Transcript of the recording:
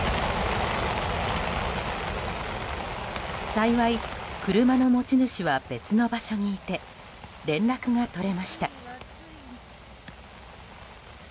幸い、車の持ち主は別の場所にいて連絡が取れました。